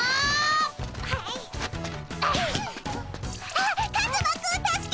あっカズマくん助けて！